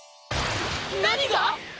何が⁉